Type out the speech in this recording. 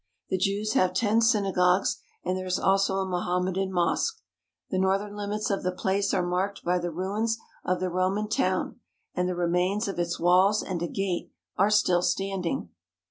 The Jews have ten synagogues and there is also a Moham medan mosque. The northern limits of the place are marked by the ruins of the Roman town, and the re mains of its walls and a gate are still standing.